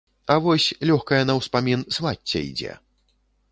А вось, лёгкая на ўспамін, свацця ідзе.